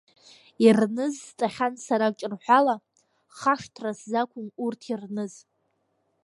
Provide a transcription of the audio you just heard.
Ирныз сҵахьан сара ҿырҳәала, хашҭра сзақәым урҭ ирныз.